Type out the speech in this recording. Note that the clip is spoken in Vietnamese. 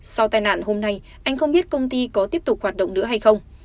sau tai nạn hôm nay anh không biết công ty có tiếp tục hoạt động nữa hay không